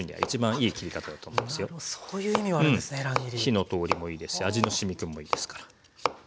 火の通りもいいですし味のしみ込みもいいですから。